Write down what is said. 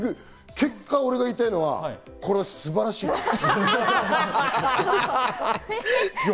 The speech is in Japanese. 結果、俺が言いたいのは、これは素晴らしいと思う。